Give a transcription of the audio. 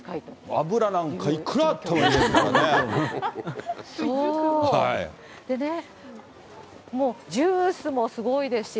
油なんか、いくらあってもいいですからね。